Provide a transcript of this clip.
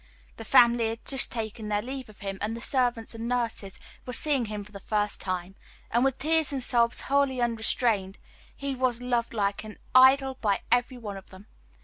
The family had just taken their leave of him, and the servants and nurses were seeing him for the last time and with tears and sobs wholly unrestrained, for he was loved like an idol by every one of them.